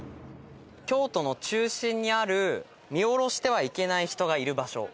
京都の中心にある見下ろしてはいけない人がいる場所。